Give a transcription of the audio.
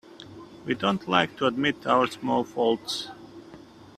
We don't like to admit our small faults.